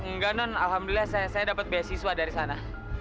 enggak non alhamdulillah saya dapat beasiswa dari sana